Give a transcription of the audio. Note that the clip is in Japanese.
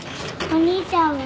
お兄ちゃんは？